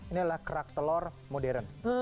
ini adalah kerak telur modern